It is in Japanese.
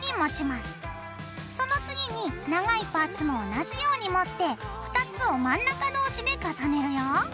その次に長いパーツも同じように持って２つを真ん中同士で重ねるよ。